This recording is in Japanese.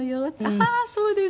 ああーそうですね！